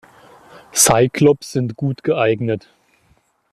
Cyclops sind gut geeignet.